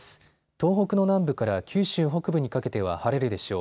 東北の南部から九州北部にかけては晴れるでしょう。